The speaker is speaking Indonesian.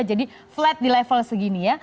jadi flat di level segini ya